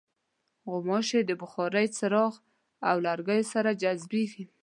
غوماشې د بخارۍ، څراغ او لوګیو سره جذبېږي.